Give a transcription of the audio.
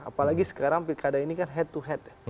apalagi sekarang pilkada ini kan head to head